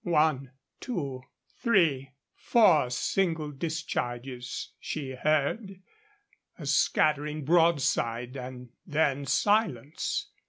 One, two, three, four single discharges she heard, a scattering broadside, and then silence.